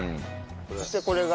そしてこれが？